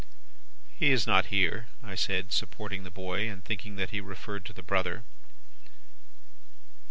"'He is not here,' I said, supporting the boy, and thinking that he referred to the brother.